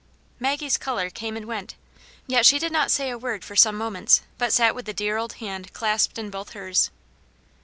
Maggie's colour came and went, yet she did not say a word for some moments, but sat with the dear old hand clasped in both hers.